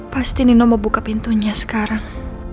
pasti nino mau buka pintunya sekarang